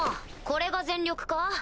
これが全力か？